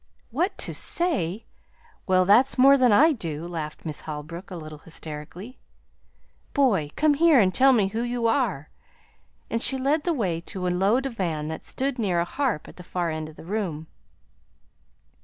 "'What to say'! well, that's more than I do" laughed Miss Holbrook, a little hysterically. "Boy, come here and tell me who you are." And she led the way to a low divan that stood near a harp at the far end of the room.